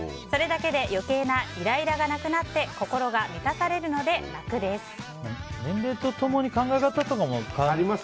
それだけで余計なイライラがなくなって心が満たされるので楽です。